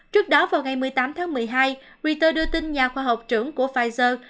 trước đó vào ngày một mươi tám tháng một mươi hai rea đưa tin nhà khoa học trưởng của pfizer